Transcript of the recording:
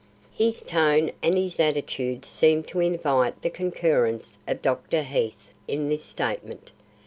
His tone and his attitude seemed to invite the concurrence of Dr. Heath in this statement.